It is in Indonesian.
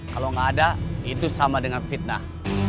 kalau nggak ada itu sama dengan fitnah